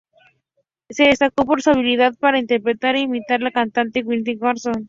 Se destaca por su habilidad para interpretar e imitar a la cantante Whitney Houston.